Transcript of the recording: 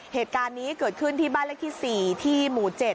เหตุการณ์นี้เกิดขึ้นที่บ้านเลขที่๔ที่หมู่๗